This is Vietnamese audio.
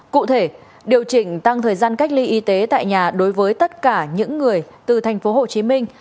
cụ thể điều chỉnh tăng thời gian cách ly y tế tại nhà đối với tất cả những người từ thành phố hồ chí minh